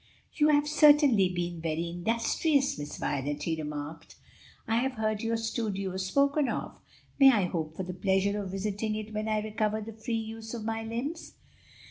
"You have certainly been very industrious, Miss Violet," he remarked. "I have heard your studio spoken of. May I hope for the pleasure of visiting it when I recover the free use of my limbs?"